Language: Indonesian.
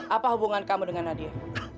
apa hubungan kamu dengan nadia